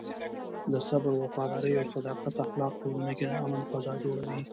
د صبر، وفادارۍ او صداقت اخلاق ټولنه کې د امن فضا جوړوي.